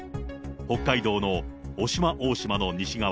北海道の渡島大島の西側